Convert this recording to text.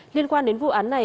liên quan đến vụ án này